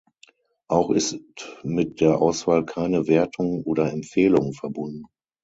Auch ist mit der Auswahl keine Wertung oder Empfehlung verbunden.